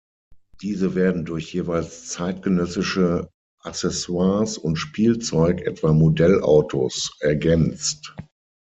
Diese werden durch jeweils zeitgenössische Accessoires und Spielzeug, etwa Modellautos, ergänzt.